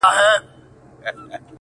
غزل – عبدالباري جهاني!.